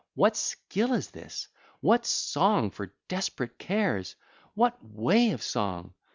What skill is this? What song for desperate cares? What way of song?